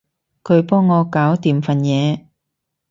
佢幫我搞掂份嘢